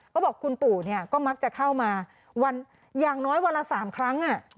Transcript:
เขาบอกคุณปู่ก็มักจะเข้ามาวันอย่างน้อยวันละ๓ครั้ง